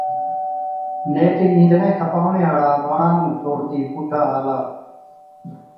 نيٺ، اِينڌڻي کپاوَڻي هاڙا ٻاڙان نُون ڇوڙتِي پُوٺا آلا،